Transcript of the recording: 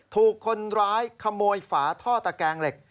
ถูกคนร้ายขโมยฝาท่อตะแกงเหล็ก